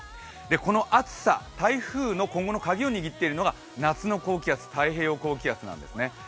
この暑さ、台風の今後のカギを握っているのが夏の高気圧、太平洋高気圧なんですね。